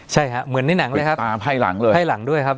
ใช่ครับเหมือนในหนังเลยครับตามไพ่หลังเลยไพ่หลังด้วยครับ